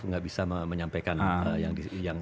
nggak bisa menyampaikan yang